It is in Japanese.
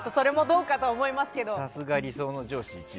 さすが理想の上司１位。